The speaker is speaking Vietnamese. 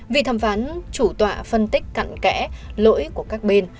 vị thẩm phán chủ tọa phân tích cặn kẽ lỗi của các bên